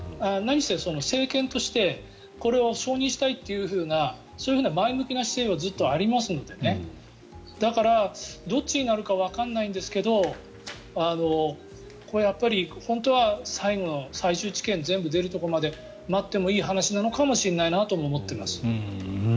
何せ政権としてこれを承認したいというふうなそういう前向きな姿勢はずっとありますのでだから、どっちになるかわからないんですがこれはやっぱり本当は最終治験の最後のところが出るまで待ってもいい話なのかもしれないなとも思っています。